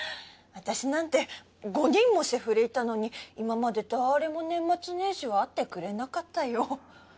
私なんて５人もセフレいたのに今まで誰も年末年始は会ってくれなかったよ。